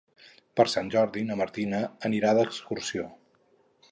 Per Sant Jordi na Martina anirà d'excursió.